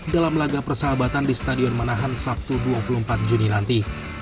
dalam laga persahabatan di stadion manahan sabtu dua puluh empat juni nanti